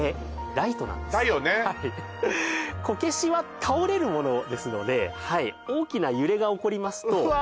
はいこけしは倒れるものですのではい大きな揺れが起こりますとうわ！